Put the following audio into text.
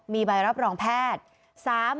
มีใบรับรองแพทย์